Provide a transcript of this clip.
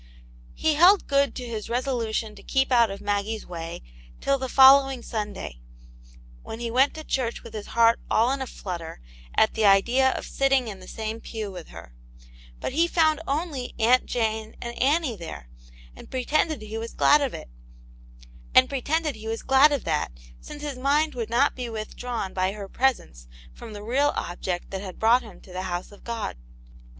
He held good to his resolution to keep out of Maggie's way till the following Sunday, when he went to church with his heart all in a flutter at the idea of sitting in the same pew with her. But he found only Aunt Jane and Annie there, and pre tended he was glad of that, since his mind would not be withdrawn by her presence from the real object that had brought him to ttve \vo\3ls^ ol ^od.. ^tvd Aunt Janets Hero.